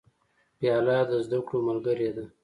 پیاله د زده کړو ملګرې ده.